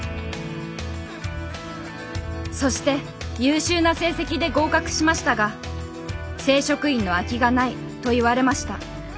そして優秀な成績で合格しましたが「正職員の空きがない」と言われました。